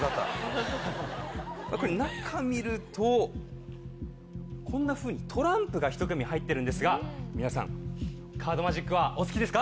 これ中見るとこんなふうにトランプがひと組入ってるんですが皆さんカードマジックはお好きですか？